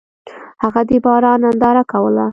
هغه د باران ننداره کوله.